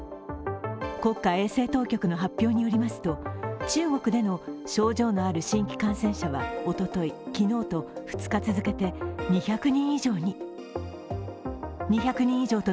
国家衛生当局の発表によりますと中国での症状のある新規感染者はおととい、昨日と２日続けて２００人以上に。